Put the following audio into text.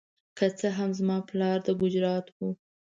که څه هم زما پلار د ګجرات و.